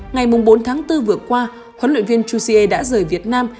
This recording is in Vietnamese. ngày bốn tháng bốn vừa qua huấn luyện viên jose đã rời việt nam